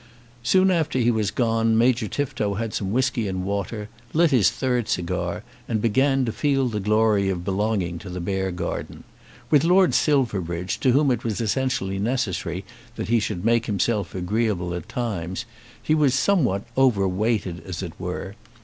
Soon after he was gone Major Tifto had some whisky and water, lit his third cigar, and began to feel the glory of belonging to the Beargarden. With Lord Silverbridge, to whom it was essentially necessary that he should make himself agreeable at all times, he was somewhat overweighted as it were.